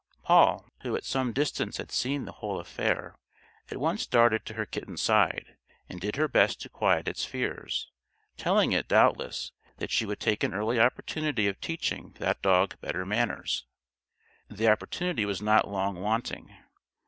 Poll, who at some distance had seen the whole affair, at once darted to her kitten's side, and did her best to quiet its fears, telling it, doubtless, that she would take an early opportunity of teaching that dog better manners. The opportunity was not long wanting.